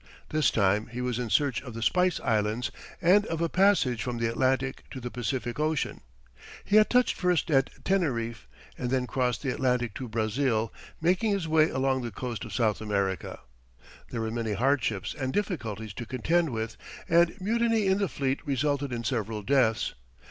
This time he was in search of the Spice Islands and of a passage from the Atlantic to the Pacific Ocean. He had touched first at Teneriffe and then crossed the Atlantic to Brazil, making his way along the coast of South America. There were many hardships and difficulties to contend with, and mutiny in the fleet resulted in several deaths.